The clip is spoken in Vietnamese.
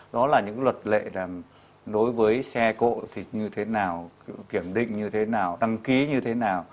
đó là những luật lệ đối với xe cộ thì như thế nào kiểm định như thế nào đăng ký như thế nào